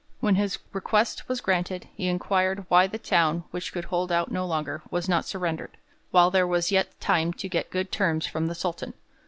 When his request was granted, he inquired why the town, which could hold out no longer, was not surrendered, while there was yet time to get good terms from the Sultan.